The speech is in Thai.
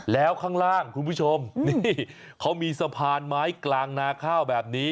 แล้วข้างล่างคุณผู้ชมนี่เขามีสะพานไม้กลางนาข้าวแบบนี้